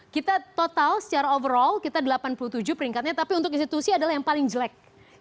kita total secara overall kita delapan puluh tujuh peringkatnya tapi untuk institusi adalah yang paling jelek